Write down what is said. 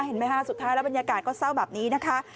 เห็นไหมคะสุดท้ายแล้วบรรยากาศก็เศร้าแบบนี้นะคะ